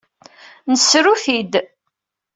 Nessru-t-id.